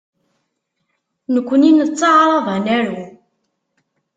Nekni nettaεraḍ ad naru.